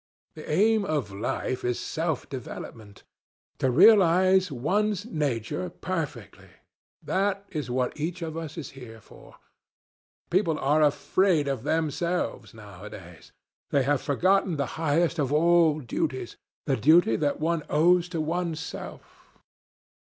The aim of life is self development. To realize one's nature perfectly—that is what each of us is here for. People are afraid of themselves, nowadays. They have forgotten the highest of all duties, the duty that one owes to one's self.